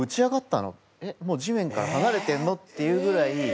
もう地面から離れてるの？」っていうぐらい。